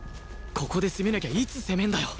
ここで攻めなきゃいつ攻めんだよ！？